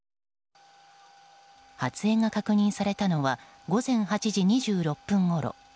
発煙が確認されたのは午前８時２６分ごろ。